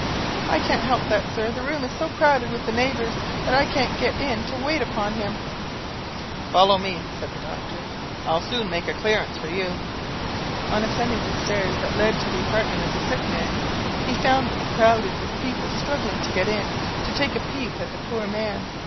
"I can't help that, sir. The room is so crowded with the neighbours, that I can't get in to wait upon him." "Follow me," said the doctor. "I'll soon make a clearance for you." On ascending the stairs that led to the apartment of the sick man, he found them crowded with people struggling to get in, to take a peep at the poor man.